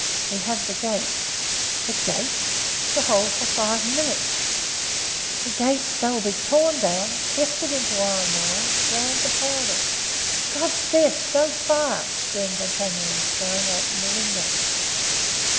"We have the gates." "The gates! to hold for five minutes—the gates, they will be torn down, twisted into iron wire, ground to powder! God's death, don't fire!" screamed D'Artagnan, throwing open the window.